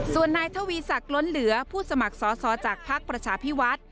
ส่วนนายทวีสักล้นเหลือผู้สมัครซ้อจากพักประชาภิวัฒน์